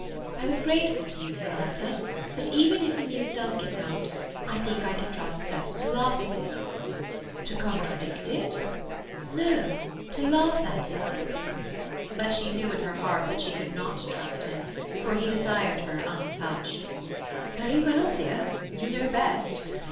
I was grateful to you for your letter, but even if the news does get round, I think I can trust Cecil to laugh at it." "To contradict it?" "No, to laugh at it." But she knew in her heart that she could not trust him, for he desired her untouched. "Very well, dear, you know best.